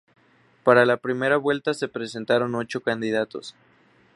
Para la primera vuelta se presentaron ocho candidatos.